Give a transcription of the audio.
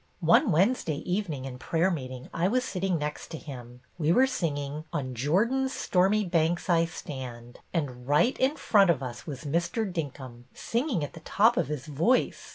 One Wednesday evening in prayer meeting I was sitting next to him. We were singing ' On Jordan's Stormy Banks I Stand,' and right in front of us was Mr. Dinkum, singing at the top of his voice.